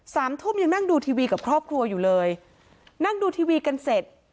สามทุ่มยังนั่งดูทีวีกับครอบครัวอยู่เลยนั่งดูทีวีกันเสร็จ